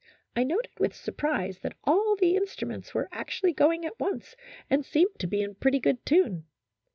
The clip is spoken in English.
I noted with surprise that all the instruments were actually going at once and seemed to be in pretty good tune.